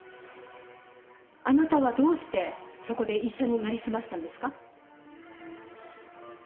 あなたはどうしてそこで医者に成り済ましたんですか？